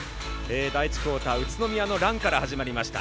第１クオーター、宇都宮のランから始まりました。